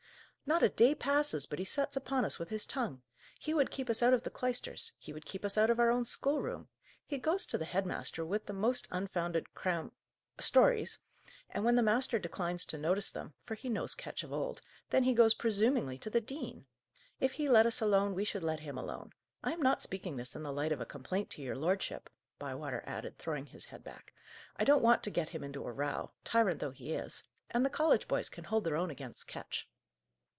"Not a day passes, but he sets upon us with his tongue. He would keep us out of the cloisters; he would keep us out of our own schoolroom. He goes to the head master with the most unfounded cram stories, and when the master declines to notice them (for he knows Ketch of old), then he goes presumingly to the dean. If he let us alone, we should let him alone. I am not speaking this in the light of a complaint to your lordship," Bywater added, throwing his head back. "I don't want to get him into a row, tyrant though he is; and the college boys can hold their own against Ketch."